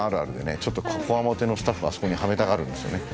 ちょっとこわもてのスタッフあそこにはめたがるんですよね。